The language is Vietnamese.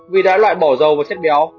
vì đã lại bỏ dầu vào xếp béo